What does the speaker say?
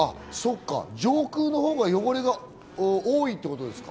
上空のほうが汚れが多いってことですか？